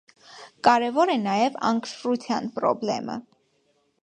Կարևոր է նաև անկշռության պրոբլեմը։